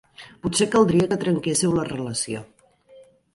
Potser caldria que trenquésseu la relació.